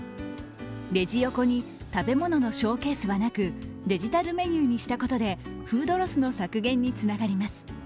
レジ横に食べ物のショーケースはなくデジタルメニューにしたことでフードロスの削減につながります。